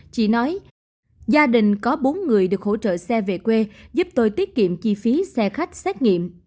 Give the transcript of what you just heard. chị nói gia đình có bốn người được hỗ trợ xe về quê giúp tôi tiết kiệm chi phí xe khách xét nghiệm